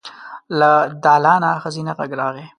له دالانه ښځينه غږ راغی.